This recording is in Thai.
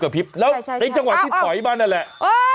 ใช่แล้วในจังหวัดที่ถอยมานั่นแหละ